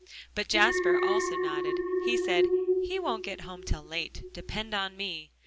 But Jasper also nodded. He said, "He won't get home till late; depend on me."